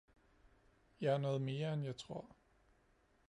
Jeg er noget mere end jeg tror